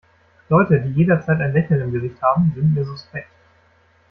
Leute, die jederzeit ein Lächeln im Gesicht haben, sind mir suspekt.